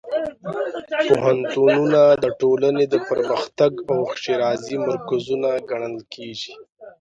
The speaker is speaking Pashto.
پوهنتونونه د ټولنې د پرمختګ او ښېرازۍ مرکزونه ګڼل کېږي.